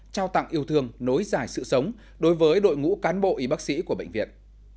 trao tặng yêu thương nối dài sự sống đối với đội ngũ cán bộ y bác sĩ của bệnh viện